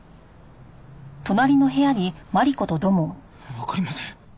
わかりません。